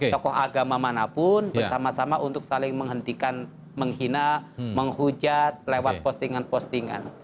tokoh agama manapun bersama sama untuk saling menghentikan menghina menghujat lewat postingan postingan